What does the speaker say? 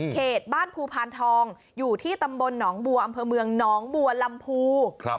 เขตบ้านภูพานทองอยู่ที่ตำบลหนองบัวอำเภอเมืองหนองบัวลำพู